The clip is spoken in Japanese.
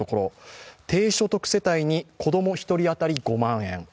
低所得世帯に子供１人当たり５万円